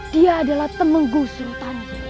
dia adalah temunggu surutani